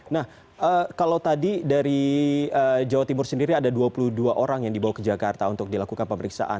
nah kalau tadi dari jawa timur sendiri ada dua puluh dua orang yang dibawa ke jakarta untuk dilakukan pemeriksaan